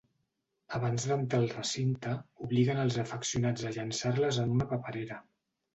Abans d’entrar al recinte, obliguen els afeccionats a llançar-les en una paperera.